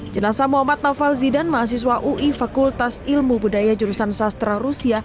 jenasa muhammad naufal zidan mahasiswa ui fakultas ilmu budaya jurusan sastra rusia